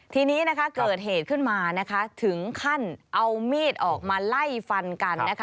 ทีนี้เกิดเหตุขึ้นมาถึงขั้นเอามีดออกมาไล่ฟันกัน